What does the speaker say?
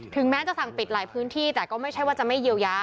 แม้จะสั่งปิดหลายพื้นที่แต่ก็ไม่ใช่ว่าจะไม่เยียวยา